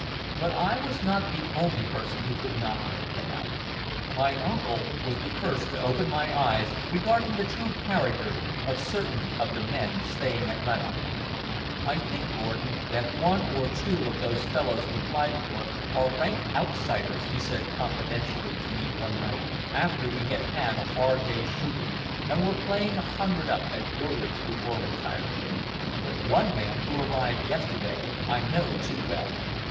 But I was not the only person who could not make them out. My uncle was the first to open my eyes regarding the true character of certain of the men staying at Rannoch. "I think, Gordon, that one or two of those fellows with Leithcourt are rank outsiders," he said confidentially to me one night after we had had a hard day's shooting, and were playing a hundred up at billiards before retiring. "One man, who arrived yesterday, I know too well.